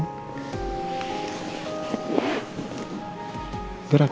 hai eh kok dia gerak nih